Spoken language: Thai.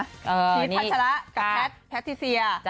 พีชพัชระกับแพทย์แพทิเซีย